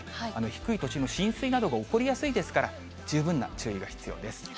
低い土地の浸水などが起こりやすいですから、十分な注意が必要です。